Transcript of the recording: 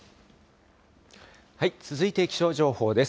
続いて気象情報です。